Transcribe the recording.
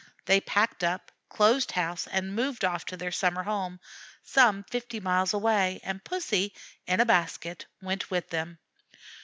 They packed up, closed house and moved off to their summer home, some fifty miles away, and Pussy, in a basket, went with them.